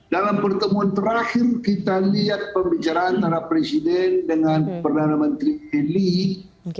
dalam pertemuan terakhir kita lihat pembicaraan antara presiden dengan perdana menteri handlee